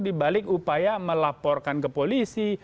dibalik upaya melaporkan ke polisi